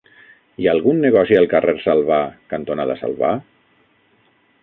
Hi ha algun negoci al carrer Salvà cantonada Salvà?